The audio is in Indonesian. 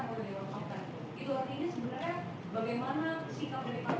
apakah memang suara dia itu terkait dengan pak pertai bokar